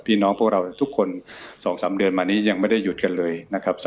พี่น้องพวกเราทุกคน๒๓เดือนมานี้ยังไม่ได้หยุดกันเลยนะครับ